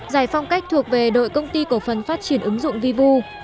giải phong cách thuộc về đội công ty cổ phần phát triển ứng dụng vivu